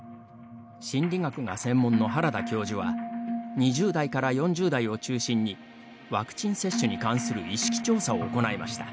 心理学が専門の原田教授は２０代から４０代を中心にワクチン接種に関する意識調査を行いました。